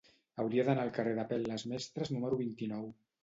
Hauria d'anar al carrer d'Apel·les Mestres número vint-i-nou.